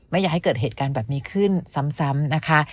ไม่อยากให้เกิดเหตุการณ์แบบนี้ขึ้นซ้ำนะคะ